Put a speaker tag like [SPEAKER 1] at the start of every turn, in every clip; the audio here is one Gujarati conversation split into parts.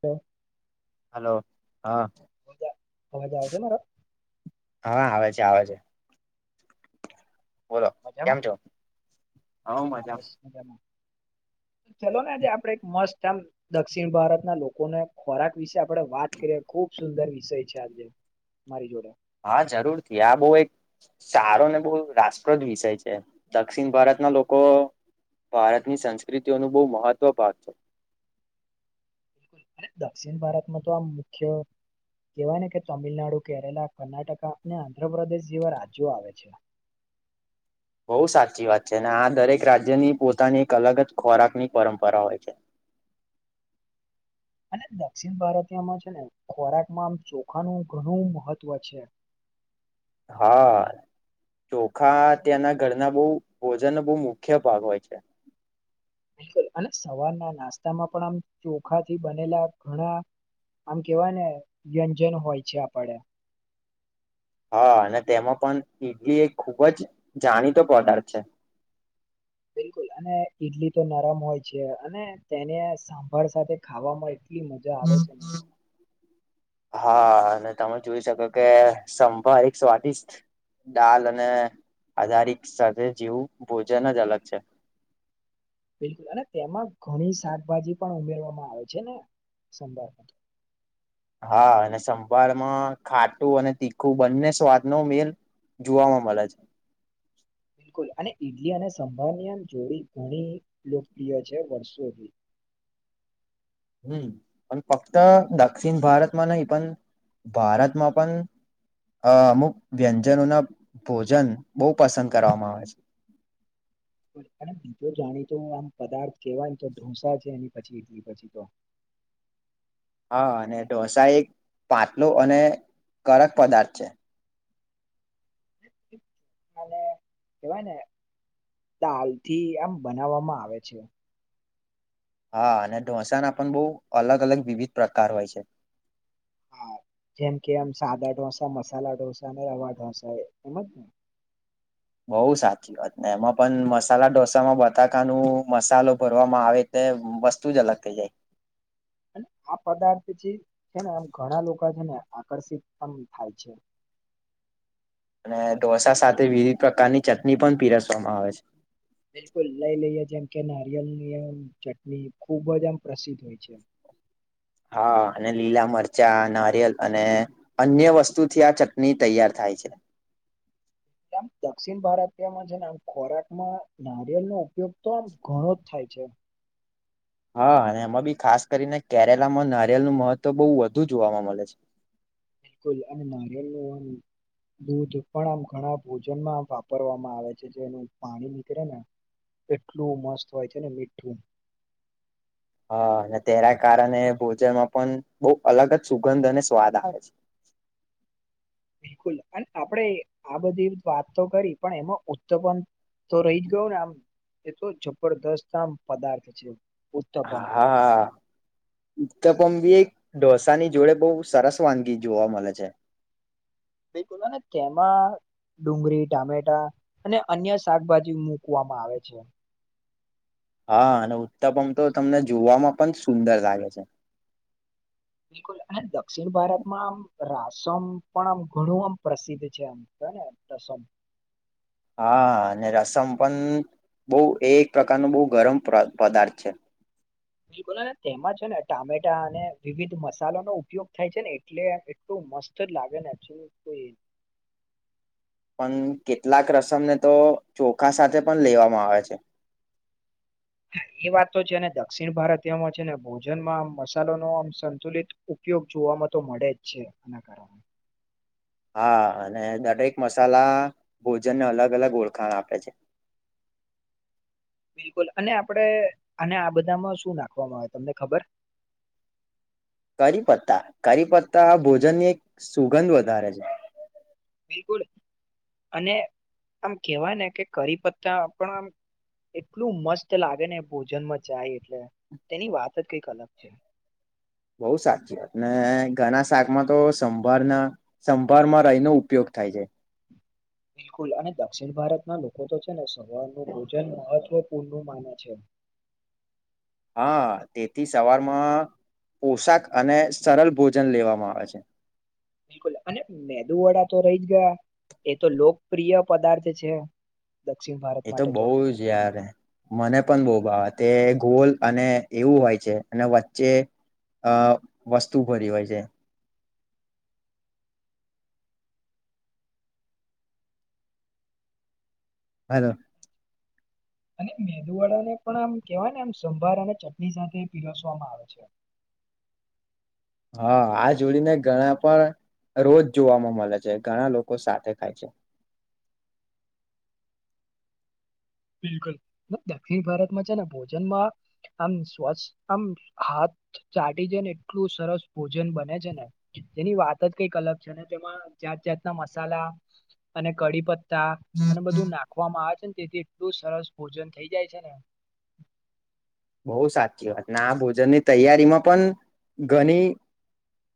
[SPEAKER 1] હલો
[SPEAKER 2] હ હા
[SPEAKER 1] અવાજ અવાજ આવે છે મારો
[SPEAKER 2] હા આવે છે આવે છે બોલો કેમ
[SPEAKER 1] મજામાં
[SPEAKER 2] છો હ
[SPEAKER 1] હા
[SPEAKER 2] મજામાં
[SPEAKER 1] બસ [inaudible] ચલો ને આજે આપડે એક મસ્ત આમ દક્ષિણ ભારત ના લોકોને ખોરાક વિશે આપડણે વાત કરીએ ખુબ સુંદર વિષય છે આજે મારી જોડે
[SPEAKER 2] હા જરૂરથી આ બઉ એક સારો ને બઉ રાષ્ટપ્રદ વિષય છે દક્ષિણ ભારત ઘણા લોકો ભારતની સંસ્કૃતિઓનું બહુ મહત્વ ભાગ છે.
[SPEAKER 1] દક્ષિણ ભારતમાં તો આમ મુખ્ય કહેવાય ને કે તમિલનાડુ કેરલા કર્ણાટકા અને આંધ્રપ્રદેશ જેવા રાજ્યો આવે છે. [inaudible] [inaudible]
[SPEAKER 2] બઉ સાચી વાત છે આ દરેક રાજ્યની પોતાની એક અલગ જ ખોરાકની પરમ્પરા હોય છે.
[SPEAKER 1] [inaudible] [inaudible] અને દક્ષિણ ભારતીયમાં છે ને ખોરાકમાં આમ ચોખાનું ઘણું મહત્વ છે. [inaudible] [inaudible]
[SPEAKER 2] હા. ચોખા ત્યાંના ઘરના બઉ ભોજનનો બઉ મુખ્ય ભાગ હોય છે.
[SPEAKER 1] બિલકુલ અને સવારના નાસ્તામાં પણ આમ ચોખાથી બનેલા ઘણા આમ કેવાય ને વ્યંજન હોય છે આપડે.
[SPEAKER 2] હા અને તેમાં પણ ઈડલી એ ખૂબ જ જાણીતો પદાર્થ છે.
[SPEAKER 1] [inaudible] [inaudible] બિલકુલ અને ઈડલી તો નરમ હોય છે અને તેને સાંભળ સાથે ખાવા માં એ કેટલી મજા આવે છે ને.
[SPEAKER 2] હા અને તમે જોઈ શકો કે સંભાર એક સ્વાદિષ્ટ દાલ અને આધારિક સાથે જેવું ભોજન જ અલગ છે.
[SPEAKER 1] બિલકુલ અને તેમાં ઘણી શાકભાજી પણ ઉમેરવામાં આવે છે ને. સંભાર.
[SPEAKER 2] હા અને સંભાળમાં ખાટું અને તીખું બંને સ્વાદ ન મેલ જોવા માં મલે છે.
[SPEAKER 1] બિલકુલ અને ઈડલી અને સંભાળ ની આમ જોડી ઘણી લોકપ્રિય છે વર્ષોથી.
[SPEAKER 2] હમ્મ પણ ફક્ત દક્ષિણ ભારતમાં નહી પણ ભારતમાં પણ અ અમુક વ્યંજનો ના ભોજન બહુ પસંદ કરવામાં આવે છે.
[SPEAKER 1] [inaudible] [inaudible] બીજું જાણી તું આમ પદાર્થ કેવાય તો ઢોસા છે એ પછી ઇડલી પછી તો. [inaudible] [inaudible]
[SPEAKER 2] હા અને ઢોસા એક પાટલૂ અને કડક પદાર્થ છે.
[SPEAKER 1] [inaudible] [inaudible] કેવાય ને દાલથી આમ બનાવામાં આવે છે.
[SPEAKER 2] હા અને ઢોસાના પણ બહુ અલગ અલગ વિવિધ પ્રકાર હોય છે.
[SPEAKER 1] હા જેમ કે આમ સાદા ઢોસા, મસાલા ઢોસા, અને રવા ઢોસા એમ જ ને?
[SPEAKER 2] બહુ સાચી વાત ને એમાં પન મસાલા ઢોસામાં બટાકાનું મસાલો ભરવામાં આવે તે વસ્તુ જ અલગ થઈ જાય.
[SPEAKER 1] [inaudible] અને આ પદાર્થ જે છે ને આમ ઘણા લોકા છે ને આકર્ષિત આમ થાય છે.
[SPEAKER 2] અને ઢોસા સાથે વિવિધ પ્રકારની ચટની પન પીરસવામાં આવે છે.
[SPEAKER 1] બિલકુલ લઈ લઈએ જેમ કે નારિયલની એમ ચટની ખુબ જ આમ પ્રસિદ્ધ હોય છે. [inaudible]
[SPEAKER 2] હા અને લીલા મરચાં, નારિયેલ અને અન્ય વસ્તુથી આ ચટની તૈયાર થાય છે.
[SPEAKER 1] [inaudible] કેમ? દક્ષિણ ભારતીયમાં છે ને આમ ખોરાકમાં નારિયલનો ઉપયોગ તો આમ ઘણો જ થાય છે.
[SPEAKER 2] હા અને એમાં બી ખાસ કરીને કેરેલામાં નારિયલનું મહત્વ બહુ વધુ જોવામાં મલે છે.
[SPEAKER 1] બિલકુલ અને નારિયલનો આમ દૂધ પણ આમ ઘણા ભોજનમાં વાપરવામાં આવે છે, જેનું પાણી નીકળે ને એટલું મસ્ત હોય છે ને મીઠું.
[SPEAKER 2] હહ ને તેના કારણે ભોજનમાં પન બહુ અલગ જ સુગંધ અને સ્વાદ આવે છે.
[SPEAKER 1] [unintelligible] બિલકુલ અને આપણેે આ બધી વાત તો કરી પણ એમાં ઉત્પન તો રહી જ ગયો ને આમ એ તો જબરદસ્ત આમ પદાર્થ છે.
[SPEAKER 2] હ
[SPEAKER 1] ઉત્તપમ
[SPEAKER 2] હા હા ઉત્પમ બી એક ઢોસાની જોડે બહુ સરસ વાનગી જોવા મલે છે.
[SPEAKER 1] બિલકુલ અને તેમાં ડુંગરી, ટામેટા અને અન્ય શાકભાજી મૂકવામાં આવે છે.
[SPEAKER 2] હા અને ઉત્તપમ તો તમને જોવામાં પણ સુંદર લાગે છે.
[SPEAKER 1] બિલકુલ અને દક્ષિણ ભારતમાં આમ રાસમ પણ આમ ઘણું આમ પ્રસિદ્ધ છે આમ. છે ને રસમ
[SPEAKER 2] હા અને રસમ પન બહુ એ એક પ્રકારનો બહુ ગરમ પ્ર પદાર્થ છે.
[SPEAKER 1] બિલકુલ અને તેમાં છે ને ટામેટા અને વિવિધ મસાલાનો ઉપયોગ થાય છે ને એટલે એટલું મસ્ત જ લાગે ને એક્ચ્યુલી કુઈ
[SPEAKER 2] હમ કેટલાંક રસમને તો ચોખા સાથે પન લેવામાં આવે છે.
[SPEAKER 1] હા એ વાત તો છે ને દક્ષિણ ભારતીયમાં છે ને ભોજનમાં આમ મસાલોનો આમ સંતુલિત ઉપયોગ જો જોવામાં તો મળે જ છે, આના કારણે
[SPEAKER 2] હા અને દરેક મસાલા ભોજનને અલગ અલગ ઓળખાણ આપે છે.
[SPEAKER 1] [unintelligible] બિલકુલ અને આપડે અને આ બધામાં શું નાખવામાં આવે તમને ખબર?
[SPEAKER 2] કરી પત્તા, કરી પત્તા ભોજનની એક સુગંધ વધારે છે.
[SPEAKER 1] બિલકુલ અને આમ કેવાય ને કે કરી પત્તા પણ આમ એટલું મસ્ત લાગે ને ભોજનમાં જાય એટલે તેની વાત જ કંઈક અલગ છે.
[SPEAKER 2] બહુ સાચી વાત ને, ઘણા શાકમાં તો સંભારના સંભારમાં રાઈનો ઉપયોગ થાય છે.
[SPEAKER 1] બિલકુલ અને દક્ષિણ ભારતના લોકો તો છે ને સવારનું ભોજન મહત્વપૂર્ણનું માને છે. [unintelligible]
[SPEAKER 2] હા તેથી સવારમાં પોશાક અને સરલ ભોજન લેવામાં આવે છે.
[SPEAKER 1] બિલકુલ અને મેદુ વડા તો રહી જ ગયા એ તો લોકપ્રિય પદાર્થ છે દક્ષિણ ભારત
[SPEAKER 2] એ તો
[SPEAKER 1] માટે
[SPEAKER 2] બહ જ યાર મને પણ બહુ બાબ તે ગોલ અને એવું હોય છે અને વચ્ચે અ વસ્તુ ભરી હોય છે હલો
[SPEAKER 1] અને મેદુ વાળા ને પણ આમ કેવાય ને આમ સંભાર અને ચટણી સાથે પીરસવામાં આવે છે [unintelligible]
[SPEAKER 2] હા આ જોડીને ઘણા પણ રોજ જોવાવામાં મળે છે ઘણા લોકો સાથે ખાય છે
[SPEAKER 1] બિલકુલ દક્ષિણ ભારતમાં છે ને ભોજનમાં આમ સ્વસ્છ આમ હાથ ચાઢ જ ને એટલું સરસ ભોજન બને છે ને જેની વાત જ કઈક અલગ છે ને તેમાં જાત જાતના મસાલા અને કી પ અને બધું નાખવામાં આવે છે ને તેથી એલું સરસ ભોજન થઇ જાય છે ને
[SPEAKER 2] બહ સાચી વાતને આ ભોજનની તૈયારીમાં પણ ઘણી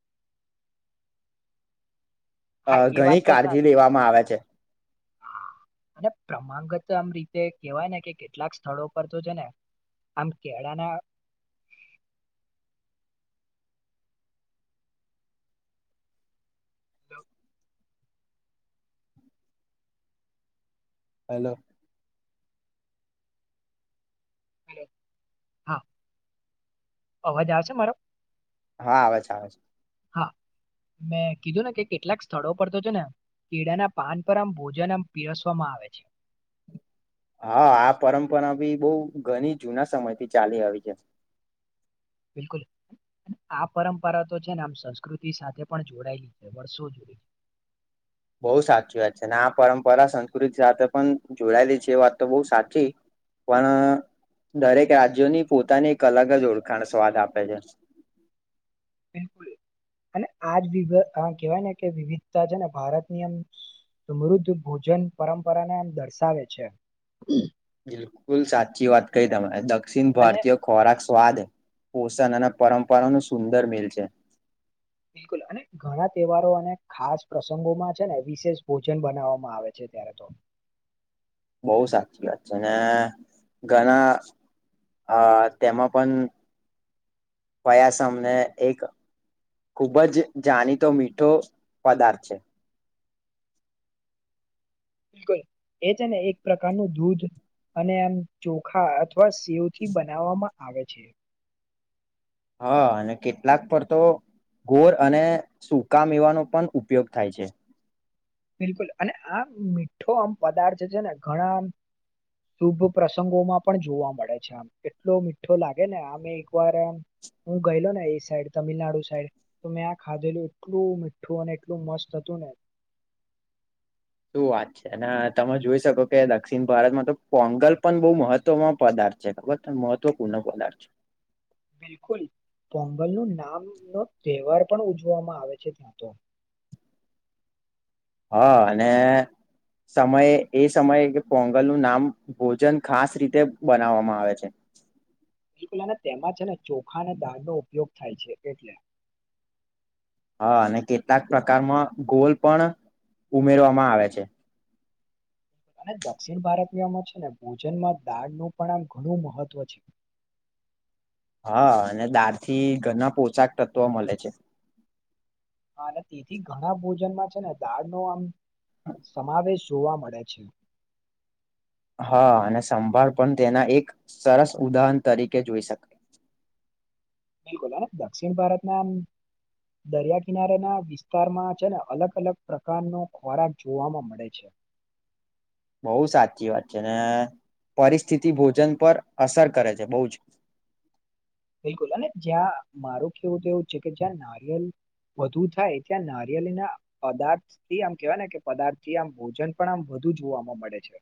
[SPEAKER 1] [inaudible]
[SPEAKER 2] અ
[SPEAKER 1] હા
[SPEAKER 2] ઘણી કાળજી લેવામાં આવે છે.
[SPEAKER 1] હા અને પ્રમાંગત આમ રીતે કેવાય ને કે કેટલાક સ્થળો પર તો છે ને. આમ કેડાના તો.
[SPEAKER 2] હલો.
[SPEAKER 1] હા અવાજ આવશે મારો.
[SPEAKER 2] હા આવે છે આવે છે.
[SPEAKER 1] હા મેં કીધું ને કે કેટલાક સ્થળો પર તો છે ને. કેળાના પાન પર આમ ભોજન આમ પીરસવામાં આવે છે.
[SPEAKER 2] હા આ પરંપરા બી બહ ઘણી જૂના સમયથી ચાલી આવી છે.
[SPEAKER 1] બિલકુલ આ પરંપરા તો છે ને આમ સંસ્કૃતિ સાથે પણ જોડાયેલી છે વર્ષો જોડ. [inaudible]
[SPEAKER 2] બહ સાચી વાત છે અને આ પરંપરા સંસ્કૃતિ સાથે પણ જોડાયેલી છે એ વાત તો બઉ સાચી પણ દરેક રાજ્યોની પોતાની એક અલગ જ ઓળખાણ, સ્વાદ આપે છે.
[SPEAKER 1] બિલકુલ. અને આજ વિ કેવાય ને કે વિવિધતા છે ને ભારતનીયમ. સમૃદ્ધ ભોજન પરંપરાને આમ દર્શાવે છે.
[SPEAKER 2] બિલકુલ સાચી વાત કઈ તમારે દક્ષિણ
[SPEAKER 1] અને
[SPEAKER 2] ભારતીય ખોરાક, સ્વાદ પોષણ અને પરંપરાનો સુંદર મેલ છે.
[SPEAKER 1] બિલકુલ અને ઘણા તહેવારો અને ખાસ પ્રસંગોમાં છે ને વિશેષ ભોજન બનાવવામાં આવે છે. ત્યારે તો
[SPEAKER 2] બહુ સાચી વાત છે અ ઘણા અ તેમાં પણ કયાસમને એક ખુબ જ જાણીતો મીઠો પદાર્થ છે.
[SPEAKER 1] બિલકુલ એ છે ને એક પ્રકારનું દૂધ. અને આમ ચોખા અથવા સેવ થી બનાવવામાં આવે છે.
[SPEAKER 2] હા અને કેટલાક પર તો ઘોર અને સુકા મેવાનો પણ ઉપયોગ થાય છે.
[SPEAKER 1] બિલકુલ અને આમ મીઠો આમ પદાર્થ છે ને ઘણા શુભ પ્રસંગોમાં પણ જોવા મળે છે આમ એટલો મીઠો લાગે ને આમે એકવાર એમ. હું ગયેલો ને એ સાઈડ તમિલનાડુ સાઈડ તો મેં આ ખાધેલું એટલું મીઠું અને એટલું મસ્ત હતું. તું ને.
[SPEAKER 2] શું વાત છે અને તમે જોઈ શકો કે દક્ષિણ ભારતમાં તો પોંગલ પણ બહુ મહત્વમાં પદાર ખબર મહત્વપૂર્ણ પ્રકારછે
[SPEAKER 1] બિલકુલ પોંગલ નું નામ નો તહેવાર પણ ઉજવામાં આવે છે ત્યાં તો [inaudible]
[SPEAKER 2] હા અને સમયે એ સમયે કે પોંગલ નું નામ ભોજન ખાસ રીતે બનાવવામાં આવે છે
[SPEAKER 1] બિલકુલ અને તેમાં છે ને ચોખા અને દાળનો ઉપયોગ થાય છે એટલે
[SPEAKER 2] હા અને કેટલાક પ્રકારમાં ગોલ પણ ઉમેરવામાં આવે છે
[SPEAKER 1] અને દક્ષિણ ભારતયમાં છે ને ભોજનમાં દાળનું પણ આમ ઘણું મહત્વ છે [inaudible]
[SPEAKER 2] હા અને દાર થી ઘણા પોશાક તત્વો મળે છે
[SPEAKER 1] હા અને તેથી ઘણા ભોજનમાં છે ને દાળ નો આમ સમાવેશ જોવા મળે છે
[SPEAKER 2] હા અને સંભાળ પણ તેના એક સરસ ઉદાહરણ તરીકે જોઈ શકાય
[SPEAKER 1] બિલકુલ હ દક્ષિણ ભારતમાં એમ દરિયા કિનારેના વિસ્તારમાં છે ને અલગ અલગ પ્રકારનો ખોરાક જોવાવામાં મળે છે હ [inaudible]
[SPEAKER 2] બઉ સાચી વાત છે ને પરિસ્થિતિ ભોજન પર અસર કરે છે બહ જ
[SPEAKER 1] બિલકુલ અને જ્યાં મારું કેવું તો એવું છે કે જ્યાં નારિયેલ વધુ થાય તં નારિયેળ ના પદાર્થ થી આમ કેવાય ને કે પદાર્થ થી આમ ભોજન પણ આમ બું જોવાવામાં મળે છે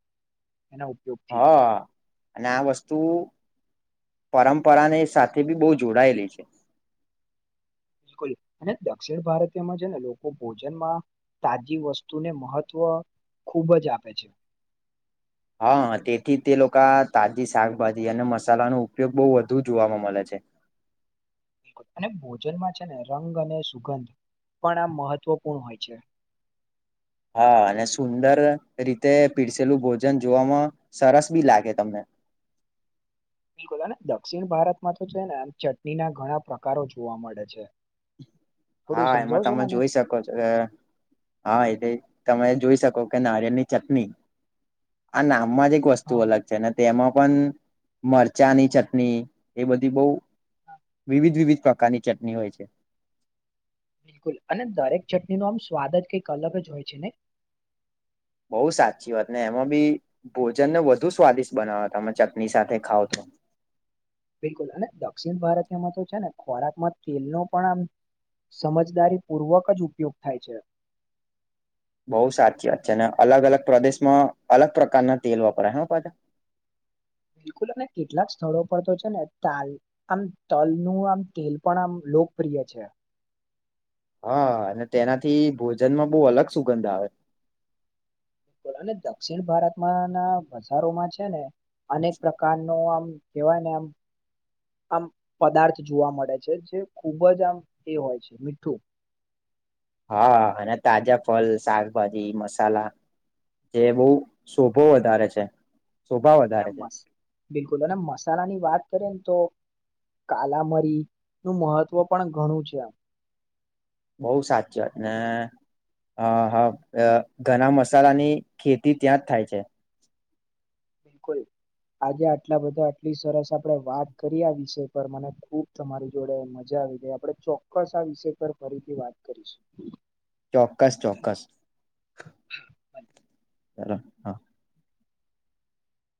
[SPEAKER 1] એના ઉપયોગથી
[SPEAKER 2] હા અને આ વસ્તુ પરંપરાને સાથે બી બહુ જોડાયેલી છે
[SPEAKER 1] બિલકુલ અને દક્ષિણ ભારતીયમાં છે ને લોકો ભોજનમાં તાજી વસ્તુને મહત્ત્વ ખૂબ જ આપે છે
[SPEAKER 2] હા તેથી તે લોકો તાજી શાકભાજી અને મસાલાનો ઉપયોગ બહુ વધુ જોવાવામાં મળે છે
[SPEAKER 1] [inaudible] અને ભોજનમાં છે ને રંગ અને સુગંધ પણ આ મહત્વપૂર્ણ હોય છે [inaudible]
[SPEAKER 2] હા અને સુંદર રીતે પીરસેલું ભોજન જોવામાં સરસ બી લાગે તમને
[SPEAKER 1] [inaudible] બિલકુલ અને દક્ષિણ ભારતમાં તો છે ને આમ ચટણી ના ઘણા પ્રકારો જોવા મળે છે [inaudible] થોડું
[SPEAKER 2] હા એમાં
[SPEAKER 1] સમજાવશો
[SPEAKER 2] તમે
[SPEAKER 1] મને
[SPEAKER 2] જોઈ શકો છો હા એ તમે જોઈ શકો કે નારિયેળની ચટણી આ નામ સામાજિક વસ્તુ
[SPEAKER 1] હા
[SPEAKER 2] અલગ છે અને તેમાં પણ મરચાંની ચટણી એ બધી બહ
[SPEAKER 1] હા,
[SPEAKER 2] વિવિધ વિવિધ પ્રકારની ચટણી હોય છે
[SPEAKER 1] બિલકુલ અને દરેક ચટણી ન આમ સ્વાદ જ કઈ કલર જ હોય છે ને
[SPEAKER 2] બઉુ સાચી વાત ને એમાં બી ભોજન ને વધુ સ્વાદિષ્ટ બનાવ્યા હતામે ચટણી સાથે ખાવ તો
[SPEAKER 1] બિલકુલ અને દક્ષિણ ભારતી એમાં તો છે ને ખોરાકમાં તેલનો પણ આમ સમજદારીપૂર્વક જ ઉપયોગ થાય છે
[SPEAKER 2] બહુ સાચી વાત છે અને અલગ અલગ પ્રદેશમાં અલગ પ્રકારના તેલ વપરાય હ પાછા
[SPEAKER 1] [inaudible] બિલકુલ અને કેટલાક સ્થળો પર તો છે ને તાલ આમ તલ નું આમ તેલ પણ આમ લોકપ્રિય છે
[SPEAKER 2] હા અને તેનાથી ભોજનમાં બહુ અલગ સુગંધ આવે
[SPEAKER 1] બલ અને દક્ષિણ ભારતમાં ના બજારોમાં છે ને અનેક પ્રકાર ન આમ કેવાયને એમ આમ પદાર્થ જોવા મળે છે જે ખૂબ જ આમ એ હોય છે મીઠું [inaudible]
[SPEAKER 2] હા અને તાજા ફલ શાકભાજી મસાલા જે બહ શોભો વધારે છે શોભા વધારે છે
[SPEAKER 1] બિલકુલ અને મસાલા ની વાત તો કાલામરી નું મહત્વ પણ ઘણું છે આમ
[SPEAKER 2] બહુ સાચીત અનેને હા હા ઘણા મસાલાની ખેતી ત્યાં જ થાય છે
[SPEAKER 1] બિલકુલ આજે આટલા બધા આટલી સરસ આપડે વાત કરી આ વિષય પર મને ખુબ તમારી જોડે મજા આપણે ચોક્કસ આ વિષય પર ફરીથી વાત કરીશું
[SPEAKER 2] ચોક્કસ ચોક્કસ તરા હા